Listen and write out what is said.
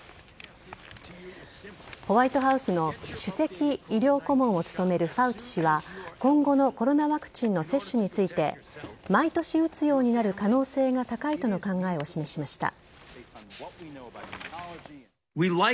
ホワイトハウスの首席医療顧問を務めるファウチ氏は今後のコロナワクチンの接種について毎年打つようになる可能性が高いとの考えを示しました。